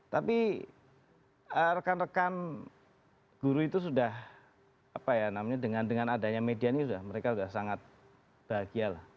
tapi rekan rekan guru itu sudah apa ya namanya dengan adanya media ini sudah mereka sudah sangat bahagia lah